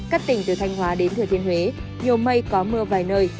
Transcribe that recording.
các tỉnh từ thanh hóa đến thừa thiên huế nhiều mây có mưa vài nơi